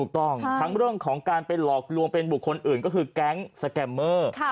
ทั้งการหลอกลวงบุคคลอื่นก็คือแก๊งสแก็มเมอร์